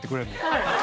はい。